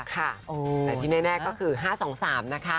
แต่ที่แน่ก็คือ๕๒๓นะคะ